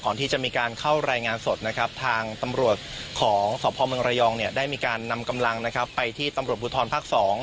ก่อนที่จะมีการเข้ารายงานสดทางตำรวจของสมรยองได้มีการนำกำลังไปที่ตำรวจบุตรภักษ์๒